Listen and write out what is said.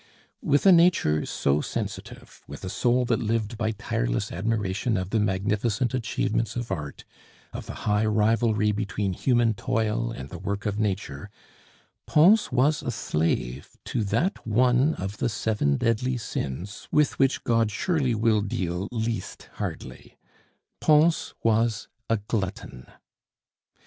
With a nature so sensitive, with a soul that lived by tireless admiration of the magnificent achievements of art, of the high rivalry between human toil and the work of Nature Pons was a slave to that one of the Seven Deadly Sins with which God surely will deal least hardly; Pons was a glutton.